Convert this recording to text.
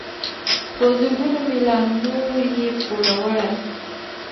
په زرګونو مي لا نور یې پوروړی